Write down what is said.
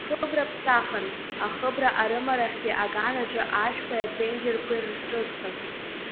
Ахыбра ԥсахын, ахыбра арымарахьтәи аган аҿы ашәқәеи аԥенџьырқәеи рҿыцын.